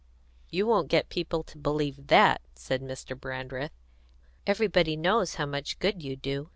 "You won't get people to believe that" said Mr. Brandreth. "Everybody knows how much good you do.